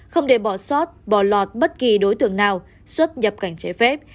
không để bỏ sót bỏ lọt bất kỳ đối tượng nào xuất nhập cảnh trái phép